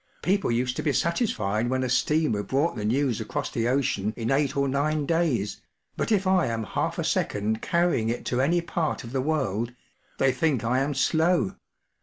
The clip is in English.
People used to be satisfied when a steamer brought the news across the ocean in eight or nine days, but if I am half a second .carrying it to any part of the world, they think I am slow'.